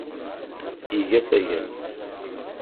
Iga tagant.